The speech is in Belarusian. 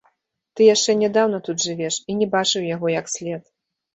Ты яшчэ нядаўна тут жывеш і не бачыў яго як след.